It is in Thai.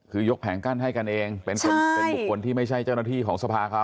คือยกแผงกั้นให้กันเองเป็นบุคคลที่ไม่ใช่เจ้าหน้าที่ของสภาเขา